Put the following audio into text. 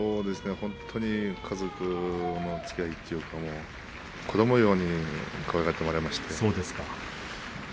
本当に家族のつきあいというか子どものようにかわいがってもらいました。